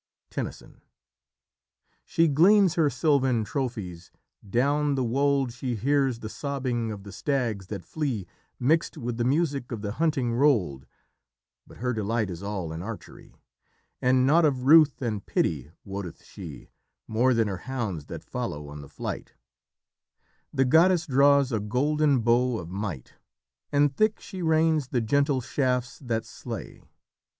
Tennyson. "She gleans her silvan trophies; down the wold She hears the sobbing of the stags that flee Mixed with the music of the hunting roll'd, But her delight is all in archery, And naught of ruth and pity wotteth she More than her hounds that follow on the flight; The goddess draws a golden bow of might And thick she rains the gentle shafts that slay.